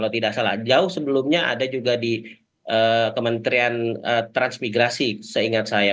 tidak salah jauh sebelumnya ada juga di kementerian transmigrasi seingat saya